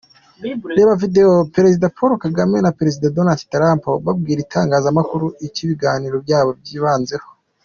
Reba Video Perezida Kagame na Perezida Donald Trump babwira itangazamakuru icyo ibiganiro byabo byibanzeho.